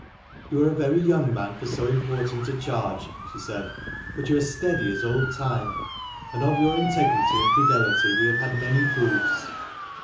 " You are a very young man for so important a charge," she said, " but you are steady as old Time, and of your integrity and fidelity we have had many proofs.